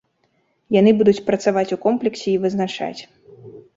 Яны будуць працаваць у комплексе і вызначаць.